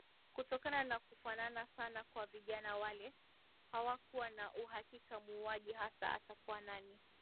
Kutokana na kufanana sana kwa vijana wale hawakuwa na uhakika muuaji hasa atakuwa nani